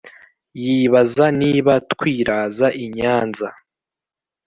Yibaza niba twiraza i Nyanza